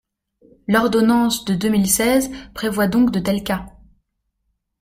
L’ordonnance de deux mille seize prévoit donc de tels cas.